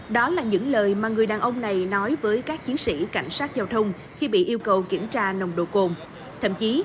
thậm chí nếu mà người đàn ông này nói với các chiến sĩ cảnh sát giao thông này